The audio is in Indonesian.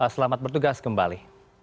selamat bertugas kembali